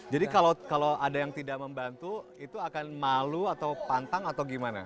jadi kalau ada yang tidak membantu itu akan malu atau pantang atau gimana